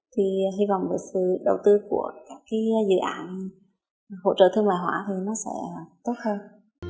thì hy vọng với sự đầu tư của các cái dự án hỗ trợ thương mại hóa thì nó sẽ tốt hơn